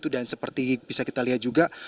seperti bisa kita lihat juga